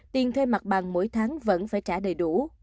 tiền thuê mặt bằng mỗi tháng vẫn phải trả đầy đủ